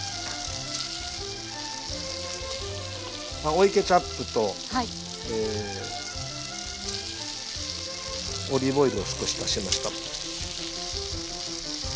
追いケチャップとオリーブ油を少し足しました。